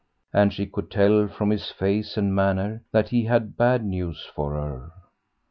And she could tell from his face and manner that he had bad news for her.